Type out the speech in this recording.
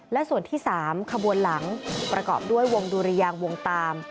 และส่วนที่๓ขบวนหลังประกอบด้วยวงดุรยางวงตาม